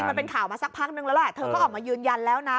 มันเป็นข่าวมาสักพักนึงแล้วแหละเธอก็ออกมายืนยันแล้วนะ